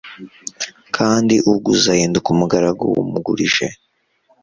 kandi uguza ahinduka umugaragu w’umugurije